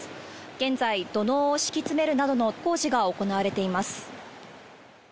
現在、土のうを敷き詰めるなどの工事が行われています。